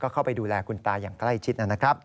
ก็เข้าไปดูแลคุณตาอย่างใกล้ชิด